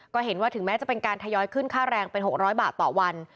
ก็เห็นว่าถึงแม้จะเป็นการทยอยขึ้นค่าแรงเป็น๖๐๐บาทต่อวัน